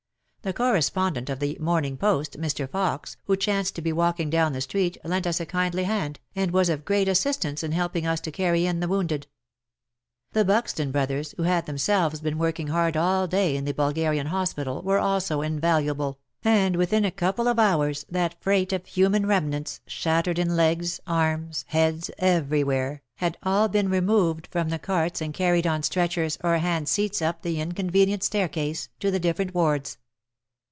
The correspondent of the Moi^ning Post, Mr. Fox, who chanced to be walkinof down the street, lent us a kindly hand, and was of great assistance in helping us to carry in the wounded. The Buxton brothers, who had themselves been working hard all day in the Bulgarian hospital, were also invaluable, and within a couple of hours, that freight of human remnants, shattered in legs, arms, heads, everywhere, had all been 122 WAR AND WOMEN removed from the carts and carried on stretchers or hand seats up the inconvenient staircase to the different wards.